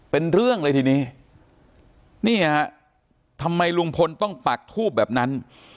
เป็นเรื่องเลยทีนี้นี่ฮะทำไมลุงพลต้องปักทูบแบบนั้น